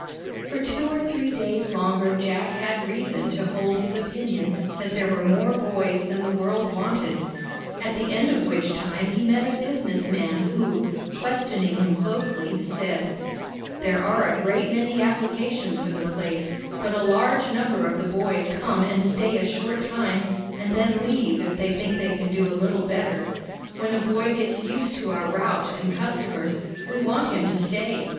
For two or three days longer Jack had reason to hold his opinion that there were more boys than the world wanted, at the end of which time he met a business man who, questioning him closely, said: "There are a great many applications for the place, but a large number of the boys come and stay a short time, and then leave if they think they can do a little better. When a boy gets used to our route and customers, we want him to stay.